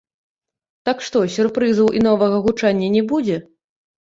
Так што сюрпрызаў і новага гучання не будзе?